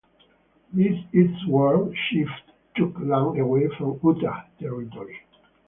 These eastward shifts took land away from Utah Territory.